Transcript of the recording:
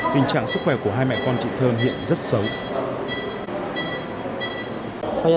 tình trạng sức khỏe của hai mẹ con chị thơm hiện rất xấu